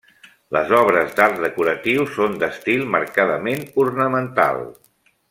Les obres d'art decoratiu són d'estil marcadament ornamental.